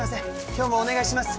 今日もお願いします